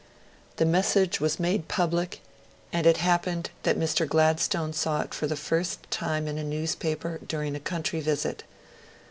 The message was made public, and it happened that Mr. Gladstone saw it for the first time in a newspaper, during a country visit.